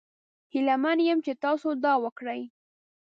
هیله من یم چې تاسو دا وکړي.